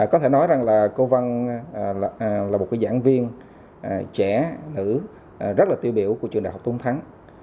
có thể nói là cô vân là một giảng viên trẻ nữ rất tiêu biểu của trường đại học tôn thắng